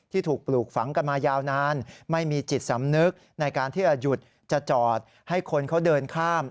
ถูกปลูกฝังกันมายาวนานไม่มีจิตสำนึกในการที่จะหยุดจะจอดให้คนเขาเดินข้าม